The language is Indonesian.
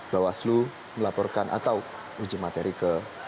bawaslu melaporkan atau uji materi ke